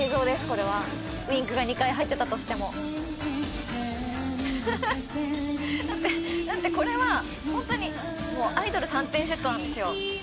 これはＷｉｎｋが２回入ってたとしてもだってだってこれはホントにアイドル三点セットなんですよ